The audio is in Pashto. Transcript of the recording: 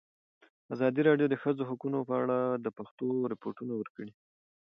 ازادي راډیو د د ښځو حقونه په اړه د پېښو رپوټونه ورکړي.